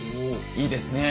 いいですね！